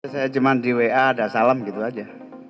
saya cuma di wa ada salam gitu aja